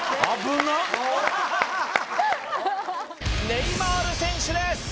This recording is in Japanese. ネイマール選手です！